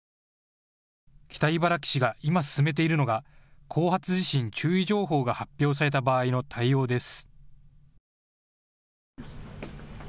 北茨城市が今、進めているのが後発地震注意情報が発表された場合の対応です。